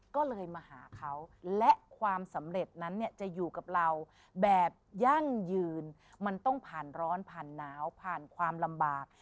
ก็เลยมาหาเขาและความสำเร็จนั้นเนี่ยจะอยู่กับเราแบบยั่งยืนมันต้องผ่านร้อนผ่านหนาวผ่านความลำบาก